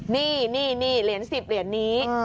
นี่เหรียญ๑๐เหรียญนี้